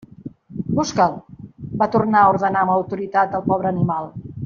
Busca'l! –va tornar a ordenar amb autoritat al pobre animal.